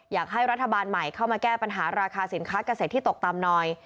อยากให้รัฐบาลใหม่เข้ามาแก้ปัญหาราคาสินค้าเกษตรที่ตกต่ำหน่อย